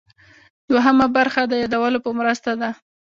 دوهمه برخه د یادولو په مرسته ده.